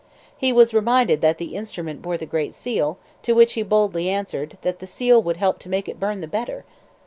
He was reminded that the instrument bore the great seal; to which he boldly answered, that the seal would help to make it burn the better.